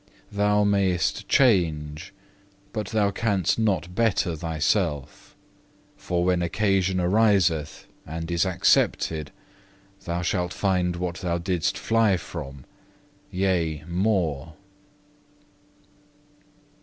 Thou mayest change, but thou canst not better thyself; for when occasion ariseth and is accepted thou shalt find what thou didst fly from, yea more."